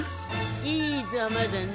いいざまだね。